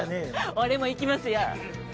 俺も行きますよ